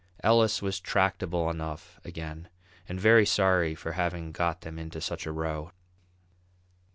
Ellis was tractable enough again, and very sorry for having got them into such a row.